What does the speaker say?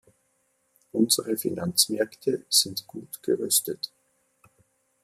Unsere Finanzmärkte sind gut gerüstet.